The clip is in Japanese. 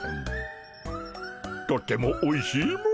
とてもおいしいモ。